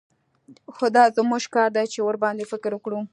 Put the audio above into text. خو دا زموږ کار دى چې ورباندې فکر وکړو.